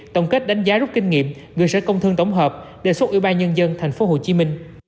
tổng kết đánh giá rút kinh nghiệm gửi sở công thương tổng hợp đề xuất ủy ban nhân dân tp hcm